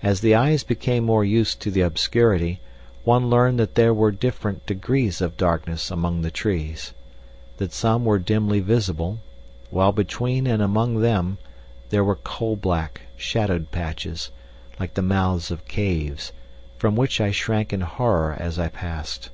As the eyes became more used to the obscurity one learned that there were different degrees of darkness among the trees that some were dimly visible, while between and among them there were coal black shadowed patches, like the mouths of caves, from which I shrank in horror as I passed.